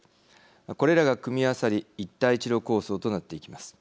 これらが組み合わさり一帯一路構想となっていきます。